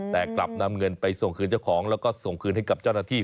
แต่กลับนำเงินไปส่งคืนเจ้าของแล้วก็ส่งคืนให้กับเจ้าหน้าที่